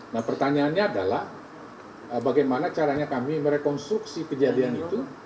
nah pertanyaannya adalah bagaimana caranya kami merekonstruksi kejadian itu